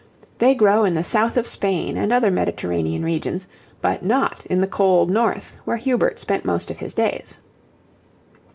They grow in the south of Spain and other Mediterranean regions, but not in the cold north where Hubert spent most of his days.